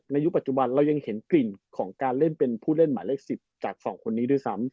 ยุคปัจจุบันเรายังเห็นกลิ่นของการเล่นเป็นผู้เล่นหมายเลข๑๐จาก๒คนนี้ด้วยซ้ำ